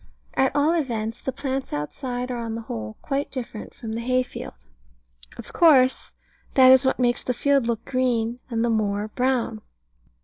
At all events, the plants outside are on the whole quite different from the hay field. Of course: that is what makes the field look green and the moor brown.